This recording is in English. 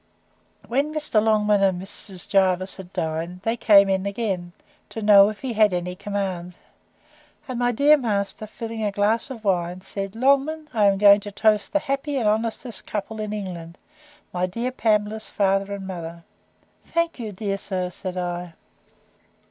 When Mr. Longman and Mrs. Jervis had dined, they came in again, to know if he had any commands; and my dear master, filling a glass of wine, said, Longman, I am going to toast the happiest and honestest couple in England, my dear Pamela's father and mother.—Thank you, dear sir, said I.